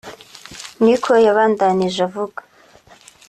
niko yabandanije avuga